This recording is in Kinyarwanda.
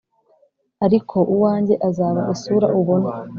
ariko uwanjye azaba isura ubona